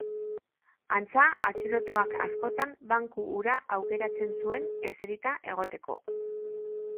Antza, atxilotuak askotan banku hura aukeratzen zuen eserita egoteko.